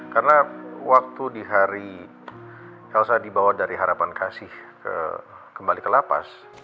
karena waktu di hari elsa dibawa dari harapan kasih kembali ke landa